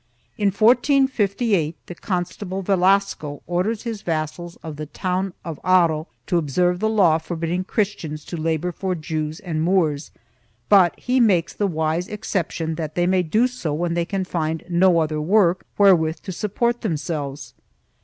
In 1458, the Constable Velasco orders his vassals of the town of Haro to observe the law forbidding Christians to labor for Jews and Moors, but he makes the wise exception that they may do so wrhen they can find no other work wherewith to support them selves.